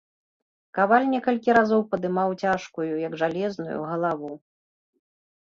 Каваль некалькі разоў падымаў цяжкую, як жалезную, галаву.